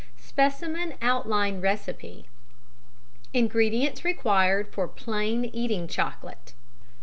SPECIMEN OUTLINE RECIPE. Ingredients required for plain eating chocolate.